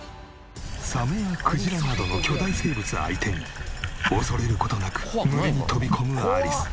サメやクジラなどの巨大生物相手に恐れる事なく群れに飛び込むアリス。